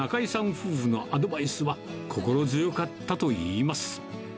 夫婦のアドバイスは、心強かったといいます。